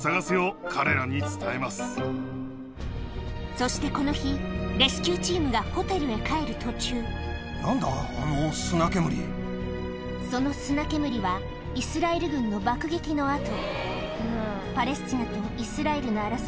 そしてこの日レスキューチームがホテルへ帰る途中その砂煙はイスラエル軍の爆撃の跡